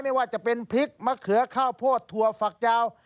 ไม่ว่าจะเป็นพริกมะเขือข้าวโพดถั่วฝักยาว